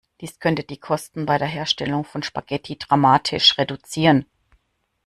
Dies könnte die Kosten bei der Herstellung von Spaghetti dramatisch reduzieren.